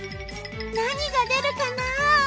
なにがでるかな？